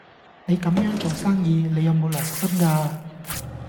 你咁樣做生意，你有冇良心㗎？